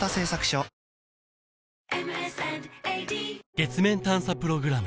月面探査プログラム